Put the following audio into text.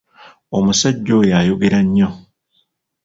Omusajja oyo ayogera nnyo.